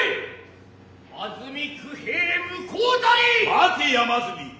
待て山隅。